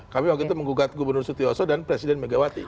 kami waktu itu menggugat gubernur sutioso dan presiden megawati